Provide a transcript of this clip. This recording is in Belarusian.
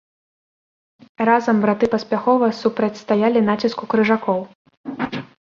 Разам браты паспяхова супрацьстаялі націску крыжакоў.